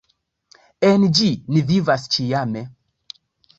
En ĝi ni vivas ĉiame.